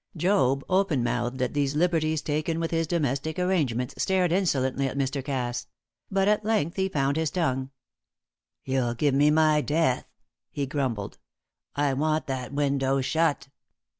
Job, open mouthed at these liberties taken with his domestic arrangements, stared insolently at Mr. Cass; but at length he found his tongue. "You'll give me my death," he grumbled. "I want that window shut."